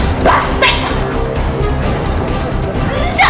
tak ada sudah tau batik